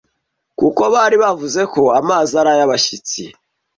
kuko bari bavuze ko amazi ari ayabashyitsi,